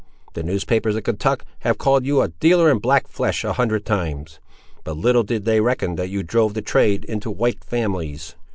The newspapers of Kentuck have called you a dealer in black flesh a hundred times, but little did they reckon that you drove the trade into white families."